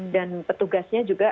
dan petugasnya juga